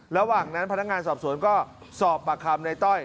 ระหว่างนั้นพนักงานสอบสวนก็สอบปากคำในต้อย